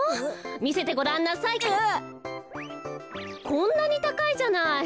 こんなにたかいじゃない。